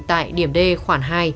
tại điểm d khoảng hai